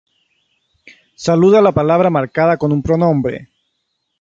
Se alude a la palabra marcada con un pronombre.